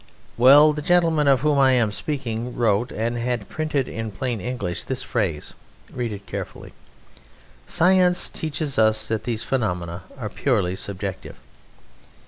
Well, the gentleman of whom I am speaking wrote and had printed in plain English this phrase (read it carefully): "Science teaches us that these phenomena are purely subjective."